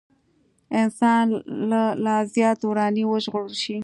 انسان له لا زيات وراني وژغورل شي.